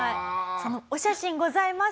そのお写真ございます。